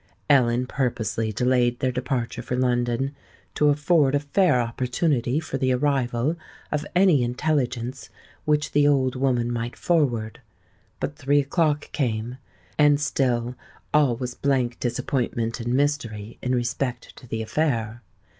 Ellen purposely delayed their departure for London, to afford a fair opportunity for the arrival of any intelligence which the old woman might forward; but three o'clock came, and still all was blank disappointment and mystery in respect to the affair.